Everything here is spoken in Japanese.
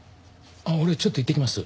俺ちょっと行ってきます。